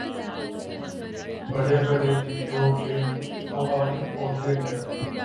بڑے بڑے لیڈروں کے مخالف ہوتے ہیں۔